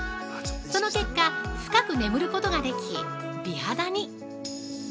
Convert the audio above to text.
その結果、深く眠ることができ、美肌に。